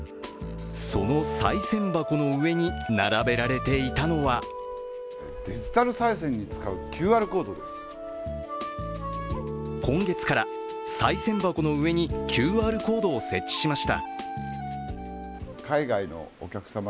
そのさい銭箱の上に並べられていたのは今月から、さい銭箱の上にＱＲコードを設置しました。